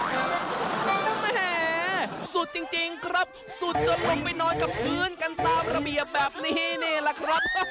แหมสุดจริงครับสุดจนลงไปนอนกับพื้นกันตามระเบียบแบบนี้นี่แหละครับ